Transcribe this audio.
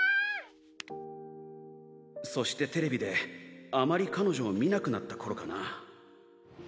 カチッそしてテレビであまり彼女を見なくなった頃かな。